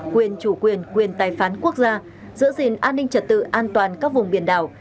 quyền chủ quyền quyền tài phán quốc gia giữ gìn an ninh trật tự an toàn các vùng biển đảo